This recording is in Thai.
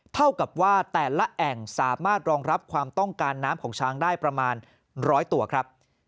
เท่ากับว่าแต่ละแอ่งสามารถรองรับความต้องการน้ำของช้างได้ประมาณ๑๐๐ตัวครับ